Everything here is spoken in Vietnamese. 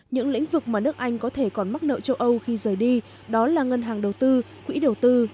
những lĩnh vực mà nước anh có thể còn mắc nợ châu âu